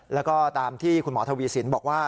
แล้วก็ตามที่คุณหมอทวีสินบอกว่า